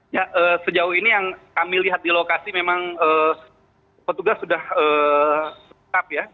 ya sejauh ini yang kami lihat di lokasi memang petugas sudah tetap ya